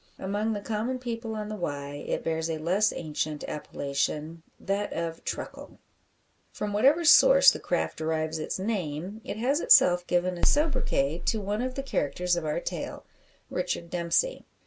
Among the common people on the Wye it bears a less ancient appellation that of "truckle." From whatever source the craft derives its name, it has itself given a sobriquet to one of the characters of our tale Richard Dempsey.